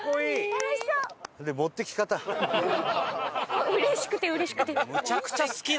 もううれしくてうれしくて。